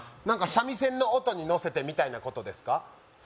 何か三味線の音に乗せてみたいなことですか？